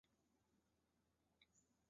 在中华民国。